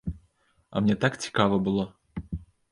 А мне так цікава было!